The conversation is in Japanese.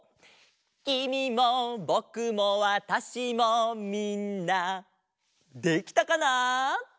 「きみもぼくもわたしもみんな」できたかな？